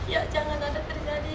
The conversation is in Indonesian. ya jangan ada terjadi